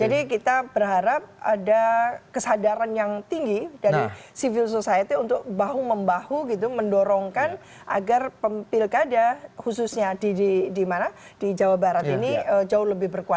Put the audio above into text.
jadi kita berharap ada kesadaran yang tinggi dari civil society untuk bahu membahu gitu mendorongkan agar pemilkada khususnya di mana di jawa barat ini jauh lebih berkuat